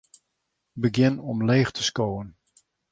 Begjin omleech te skowen.